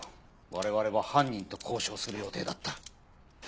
我々は犯人と交渉する予定だった。